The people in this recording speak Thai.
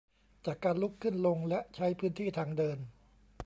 จากการลุกขึ้นลงและใช้พื้นที่ทางเดิน